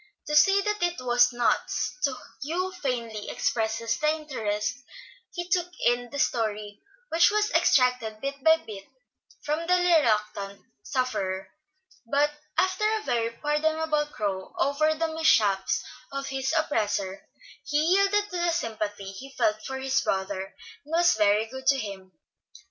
To say that it was "nuts" to Hugh faintly expresses the interest he took in the story which was extracted bit by bit from the reluctant sufferer; but after a very pardonable crow over the mishaps of his oppressor, he yielded to the sympathy he felt for his brother, and was very good to him.